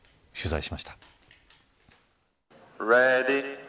取材しました。